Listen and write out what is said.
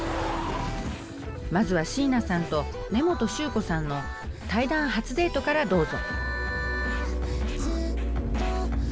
まずは椎名さんと根本宗子さんの対談初デートからどうぞ。